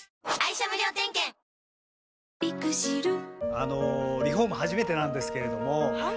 あのリフォーム初めてなんですけれどもはい。